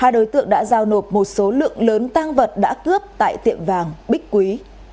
hai đối tượng đã giao nộp một số lượng lớn tang vật đã cướp tại tiệm vàng bích quý